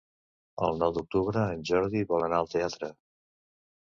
El nou d'octubre en Jordi vol anar al teatre.